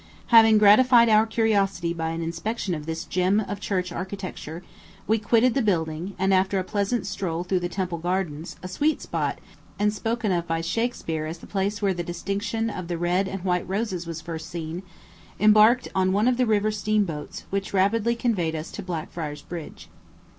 Having gratified our curiosity by an inspection of this gem of church architecture, we quitted the building, and, after a pleasant stroll through the Temple Gardens, a sweet spot, and spoken of by Shakspeare as the place where the distinction of the Red and White Roses was first seen, embarked on one of the river steamboats, which rapidly conveyed us to Blackfriars Bridge.